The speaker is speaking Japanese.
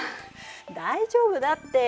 大丈夫だって。